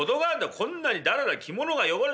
こんなにダラダラ着物が汚れ。